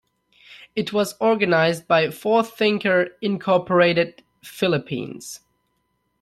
It was organized by Forthinker Incorporated Philippines.